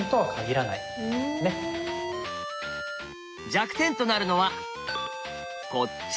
弱点となるのはこっち。